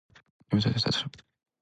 眠たいです私は